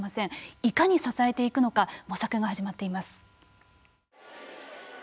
いかに支えていくのか模索が始まっています。